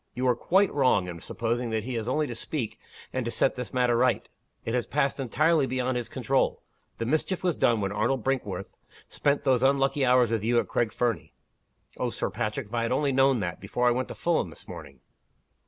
You are quite wrong in supposing that he has only to speak, and to set this matter right. It has passed entirely beyond his control. The mischief was done when Arnold Brinkworth spent those unlucky hours with you at Craig Fernie." "Oh, Sir Patrick, if I had only known that, before I went to Fulham this morning!"